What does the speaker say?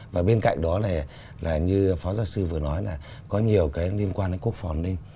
và bên cạnh đó là như phó giáo sư vừa nói là có nhiều cái liên quan đến quốc phòng an ninh